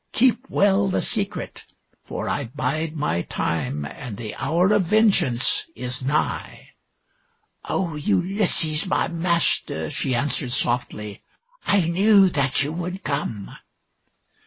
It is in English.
Keep well the secret, for I bide my time and the hour of vengeance is nigh." " O Ulysses, my master," she answered softly, " I knew that you would come."